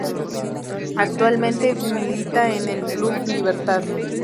Actualmente milita en el Club Libertad.